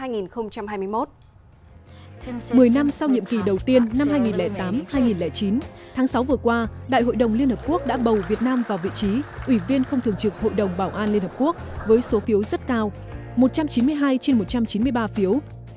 một mươi năm sau nhiệm kỳ đầu tiên năm hai nghìn tám hai nghìn chín tháng sáu vừa qua đại hội đồng liên hợp quốc đã bầu việt nam vào vị trí ủy viên không thường trực hội đồng bảo an liên hợp quốc với số phiếu rất cao một trăm chín mươi hai trên một trăm chín mươi ba phiếu